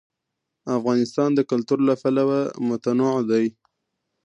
افغانستان د کلتور له پلوه متنوع دی.